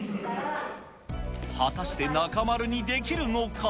果たして中丸にできるのか。